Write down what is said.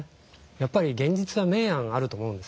やっぱり現実は明暗あると思うんですよ。